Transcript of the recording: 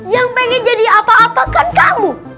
yang pengen jadi apa apa kan kamu